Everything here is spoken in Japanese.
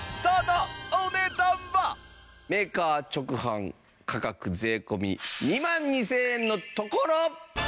メーカー直販価格税込２万２０００円のところ。